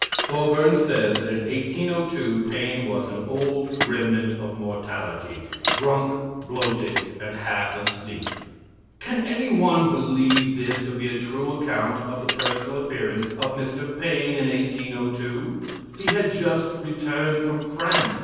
Thorburn says that in 1802 Paine was an "old remnant of mortality, drunk, bloated, and half asleep." Can anyone believe this to be a true account of the personal appearance of Mr. Paine in 1802? He had just returned from France.